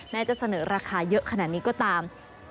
จะเสนอราคาเยอะขนาดนี้ก็ตาม